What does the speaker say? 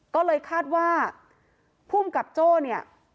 ก็เลยคาดว่าภูมิกับโจ้เนี่ย